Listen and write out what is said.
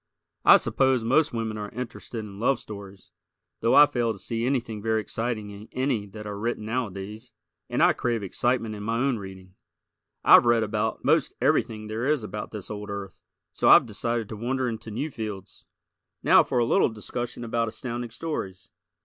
I suppose most women are interested in love stories, though I fail to see anything very exciting in any that are written nowadays; and I crave excitement in my reading. I've read about most everything there is about this old earth, so I've decided to wander into new fields. Now for a little discussion about Astounding Stories.